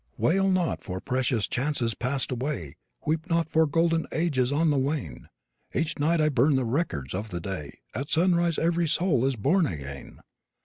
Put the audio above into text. Wail not for precious chances passed away; Weep not for golden ages on the wane; Each night I burn the records of the day, At sunrise every soul is born again.